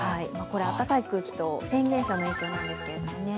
これ、暖かい空気とフェーン現象の影響なんですけどね。